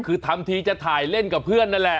คือทำทีจะถ่ายเล่นกับเพื่อนนั่นแหละ